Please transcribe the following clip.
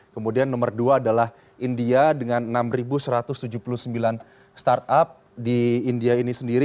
kemudian nomor dua adalah india dengan enam satu ratus tujuh puluh sembilan startup di india ini sendiri